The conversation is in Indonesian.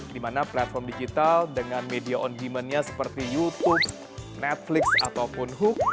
dimana platform digital dengan media on demand nya seperti youtube netflix ataupun hook